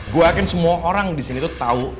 gue yakin semua orang disini tuh tau